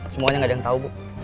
semuanya nggak ada yang tahu bu